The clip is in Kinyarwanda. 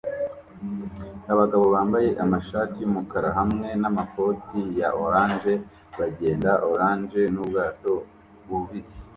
Abagabo bambaye amashati yumukara hamwe namakoti ya orange bagenda orange nubwato bubisi